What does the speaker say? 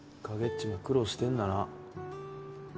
ちも苦労してんだな。